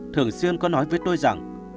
thường xuyên nói với tôi rằng